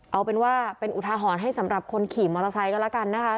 เอาเป็นว่าเป็นอุทาหรณ์ให้สำหรับคนขี่มอเตอร์ไซค์ก็แล้วกันนะคะ